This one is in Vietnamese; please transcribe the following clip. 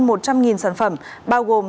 hơn một trăm linh sản phẩm